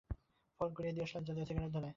ফস করিয়া দিয়াশলাই জ্বালিয়া সিগারেট ধরায়।